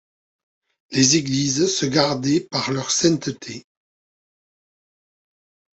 Les églises se gardaient par leur sainteté.